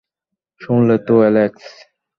শুনলে তো, অ্যালেক্স।